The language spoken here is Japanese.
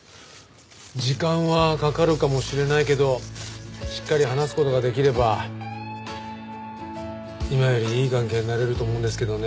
時間はかかるかもしれないけどしっかり話す事ができれば今よりいい関係になれると思うんですけどね。